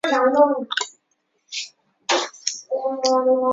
苏穆埃尔拉尔萨国王。